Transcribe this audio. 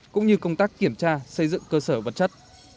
cũng như công tác kiểm tra xây dựng cơ sở vật chất